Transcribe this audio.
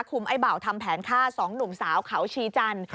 ไอ้เบาทำแผนฆ่า๒หนุ่มสาวเขาชีจันทร์